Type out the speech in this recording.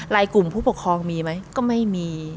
ลายกลุ่มผู้ปกครองมีมั้ยก็ไม่มี